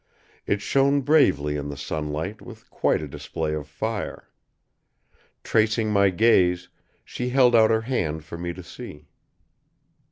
It shone bravely in the sunlight with quite a display of fire. Tracing my gaze, she held out her hand for me to see.